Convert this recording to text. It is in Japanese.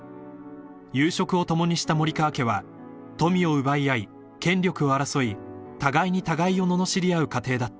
［夕食を共にした森川家は富を奪い合い権力を争い互いに互いをののしり合う家庭だった］